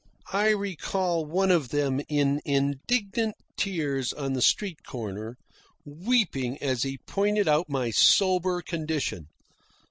I recall one of them in indignant tears on the street corner, weeping as he pointed out my sober condition.